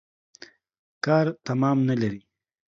کار تمام نلري.